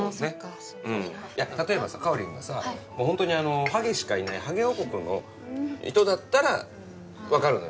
いや例えばさかおりんがさホントにハゲしかいないハゲ王国の人だったら分かるのよ。